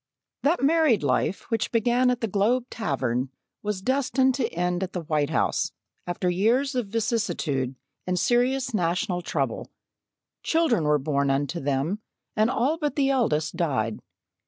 That married life which began at the Globe Tavern was destined to end at the White House, after years of vicissitude and serious national trouble. Children were born unto them, and all but the eldest died.